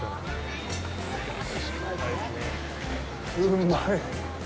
うまい！